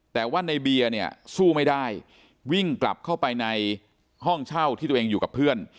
แต่ว่าในเบียร์เนี่ยสู้ไม่ได้วิ่งกลับเข้าไปในห้องเช่าที่ตัวเองอยู่กับเพื่อน